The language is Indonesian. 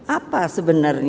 apa sebenarnya itu